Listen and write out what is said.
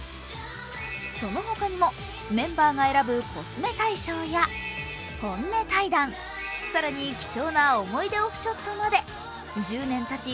そのほかにもメンバーが選ぶコスメ大賞や、本音対談、更に貴重な思い出オフショットまで１０年たち